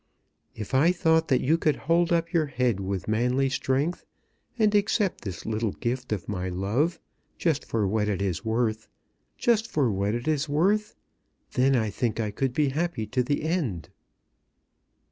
If I thought that you could hold up your head with manly strength, and accept this little gift of my love, just for what it is worth, just for what it is worth, then I think I could be happy to the end."